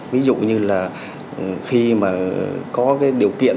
ví dụ như là khi mà có cái điều kiện